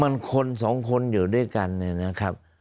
มันคนสองคนอยู่ด้วยกันเนี่ยนะครับ